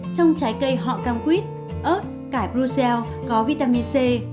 trong trái cây họ cầm quýt ớt cải brussel có vitamin c